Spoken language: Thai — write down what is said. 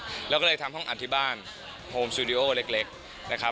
เราก็เลยทำห้องอัดที่บ้านโฮมสตูดิโอเล็กนะครับ